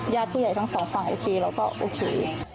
ญาติผู้ใหญ่ทั้งสองฝ่ายทีแล้วก็โอเค